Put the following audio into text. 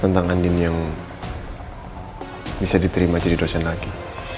tentang andini yang bisa diterima jadi dosen lagi